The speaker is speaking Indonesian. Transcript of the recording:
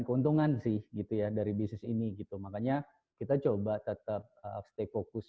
keuntungan sih gitu ya dari bisnis ini gitu makanya kita coba tetap stay fokus